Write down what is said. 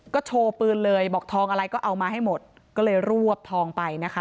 ก็โชว์ปืนเลยบอกทองอะไรก็เอามาให้หมดก็เลยรวบทองไปนะคะ